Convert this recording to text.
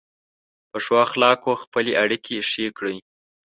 په ښو اخلاقو خپلې اړیکې ښې کړئ.